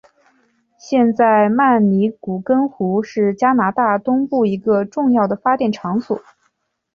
现在曼尼古根湖是加拿大东部一个重要的发电场所。